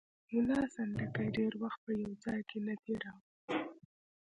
ملا سنډکي ډېر وخت په یو ځای نه تېراوه.